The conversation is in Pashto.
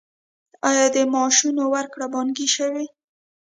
آیا د معاشونو ورکړه بانکي شوې؟